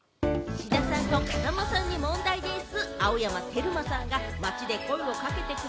志田さんと風間さんに問題でぃす！